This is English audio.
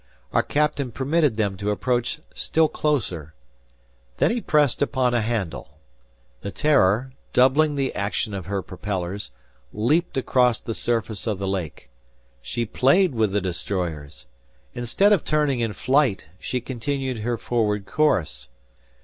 Our captain permitted them to approach still closer. Then he pressed upon a handle. The "Terror," doubling the action of her propellers, leaped across the surface of the lake. She played with the destroyers! Instead of turning in flight, she continued her forward course.